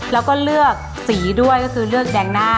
แล้วก็เลือกสีด้วยก็คือเลือกแดงหน้า